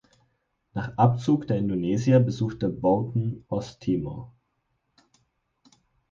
Nach Abzug der Indonesier besuchte Boughton Osttimor.